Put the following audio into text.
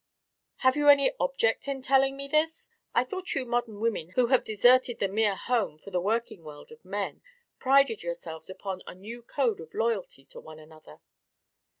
"Have you any object in telling me this? I thought you modern women who have deserted the mere home for the working world of men prided yourselves upon a new code of loyalty to one another."